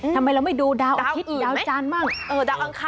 ทำไมเราไม่ดูดาวอาทิตย์ดาวจานมั่ง